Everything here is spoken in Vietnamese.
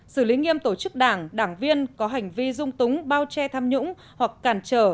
xử lý nghiêm tổ chức đảng đảng viên có hành vi dung túng bao che tham nhũng hoặc cản trở